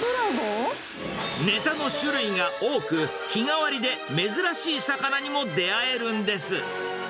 ネタの種類が多く、日替わりで珍しい魚にも出会えるんです。